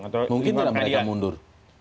mungkin tidak mereka mundur